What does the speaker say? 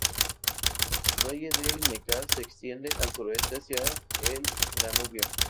El valle del Neckar se extiende al sureste hacia el Danubio.